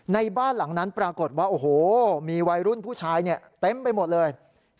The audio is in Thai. ในบ้านหลังนั้นปรากฏว่าโอ้โหมีวัยรุ่นผู้ชายเต็มไปหมดเลย